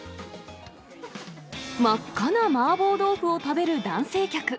真っ赤な麻婆豆腐を食べる男性客。